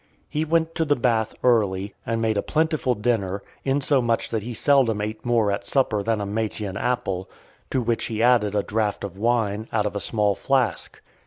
He went to the bath early, and made a plentiful dinner, insomuch that he seldom ate more at supper than a Matian apple , to which he added a (497) draught of wine, out of a small flask.